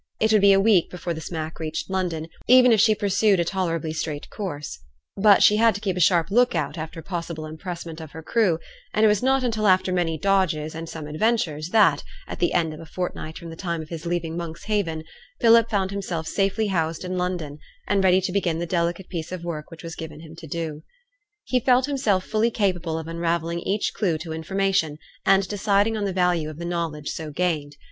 It would be a week before the smack reached London, even if she pursued a tolerably straight course, but she had to keep a sharp look out after possible impressment of her crew; and it was not until after many dodges and some adventures that, at the end of a fortnight from the time of his leaving Monkshaven, Philip found himself safely housed in London, and ready to begin the delicate piece of work which was given him to do. He felt himself fully capable of unravelling each clue to information, and deciding on the value of the knowledge so gained.